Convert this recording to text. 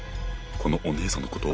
このお姉さんのこと？